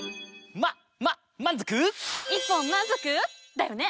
だよね？